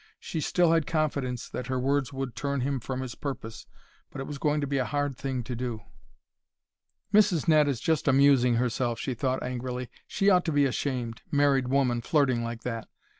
She still had confidence that her words would turn him from his purpose but it was going to be a hard thing to do! "Mrs. Ned is just amusing herself," she thought angrily. "She ought to be ashamed married woman flirting like that!